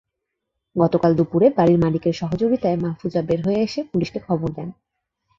গতকাল দুপুরে বাড়ির মালিকের সহযোগিতায় মাহফুজা বের হয়ে এসে পুলিশকে খবর দেন।